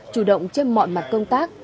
chủ động trên mọi mặt công tác